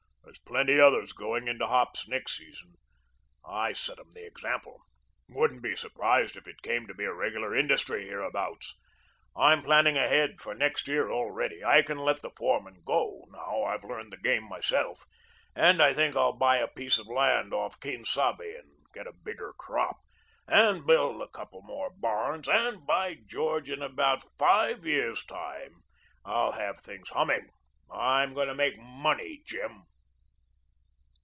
There's plenty others going into hops next season. I set 'em the example. Wouldn't be surprised if it came to be a regular industry hereabouts. I'm planning ahead for next year already. I can let the foreman go, now that I've learned the game myself, and I think I'll buy a piece of land off Quien Sabe and get a bigger crop, and build a couple more barns, and, by George, in about five years time I'll have things humming. I'm going to make MONEY, Jim."